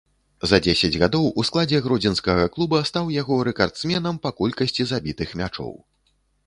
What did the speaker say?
За дзесяць гадоў у складзе гродзенскага клуба стаў яго рэкардсменам па колькасці забітых мячоў.